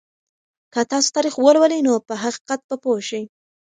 که تاسو تاریخ ولولئ نو په حقیقت به پوه شئ.